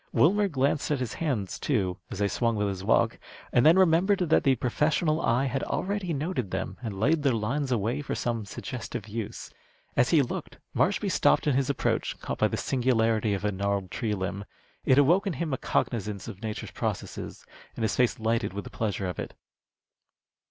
Wilmer glanced at his hands, too, as they swung with his walk, and then remembered that the professional eye had already noted them and laid their lines away for some suggestive use. As he looked, Marshby stopped in his approach, caught by the singularity of a gnarled tree limb. It awoke in him a cognizance of nature's processes, and his face lighted with the pleasure of it.